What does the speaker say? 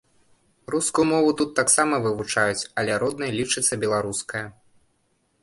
Рускую мову тут таксама вывучаюць, але роднай лічыцца беларуская.